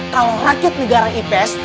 kalau rakyat negara ips